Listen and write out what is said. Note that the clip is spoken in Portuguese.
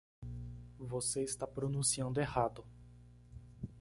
Você está pronunciando errado.